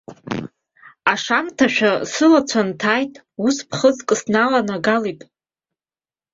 Ашамҭазшәа сылацәа нҭааит, ус ԥхыӡк сналанагалеит.